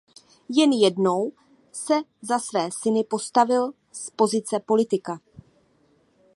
Jen jednou se za své syny postavil z pozice politika.